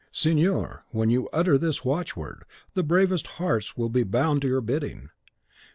Signor, when you utter this watchword, the bravest hearts will be bound to your bidding.